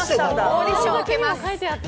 オーディションを受けます。